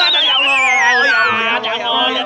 aduh bangun bangun saya gak kuat